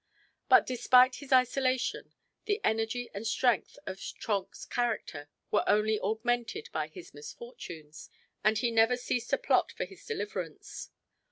But, despite his isolation, the energy and strength of Trenck's character were only augmented by his misfortunes, and he never ceased to plot for his deliverance.